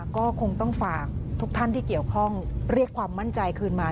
ก็คงต้องฝากทุกท่านที่เกี่ยวข้องเรียกความมั่นใจคืนมา